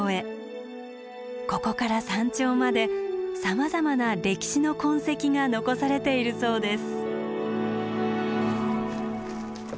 ここから山頂までさまざまな歴史の痕跡が残されているそうです。